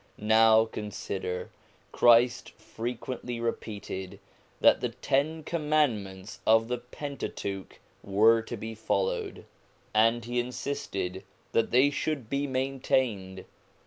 Now, consider: Christ frequently repeated that the ten commandments in the Pentateuch were to be followed, 190 SOME ANSWERED QUESTIONS and he insisted that they should be maintained.